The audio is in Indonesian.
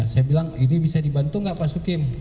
saya bilang ini bisa dibantu nggak pak sukim